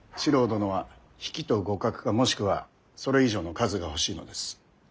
殿は比企と互角かもしくはそれ以上の数が欲しいのです。